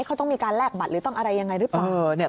เขาต้องมีการแลกบัตรหรือต้องอะไรยังไงหรือเปล่า